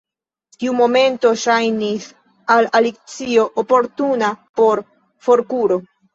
Tiu momento ŝajnis al Alicio oportuna por forkuro.